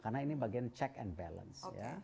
karena ini bagian check and balance